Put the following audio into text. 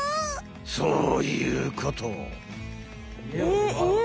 そういうこと！